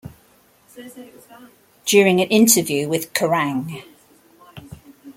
During an interview with Kerrang!